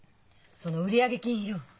その売上金よ。